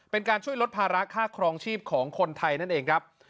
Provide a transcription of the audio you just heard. เป็นการช่วยลดภาระค่าครองชีพของคนไทยนั่นเองครับ